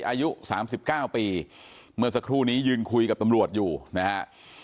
อายุ๓๙ปีเมื่อสักครู่นี้ยืนคุยกับตำรวจอยู่นะฮะ